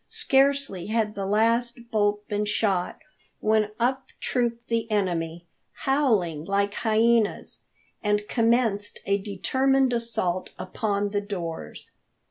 Scarcely had the last bolt been shot when up trooped the enemy, howling like hyenas, and commenced a determined assault upon the doors.